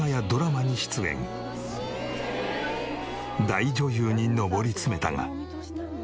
大女優に上り詰めたが。